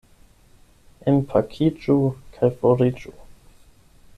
Enpakiĝu kaj foriĝu.